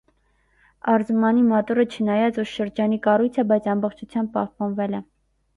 Արզումանի մատուռը չնայած ուշ շրջանի կառույց է, բայց ամբողջությամբ պահպանվել է։